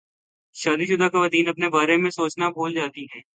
شادی شدہ خواتین اپنے بارے میں سوچنا بھول جاتی ہیں